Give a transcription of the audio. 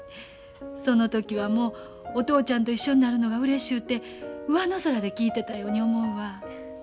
その時はもうお父ちゃんと一緒になるのがうれしゅうてうわの空で聞いてたように思うわ。